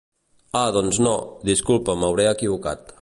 Ah doncs no, disculpa m'hauré equivocat.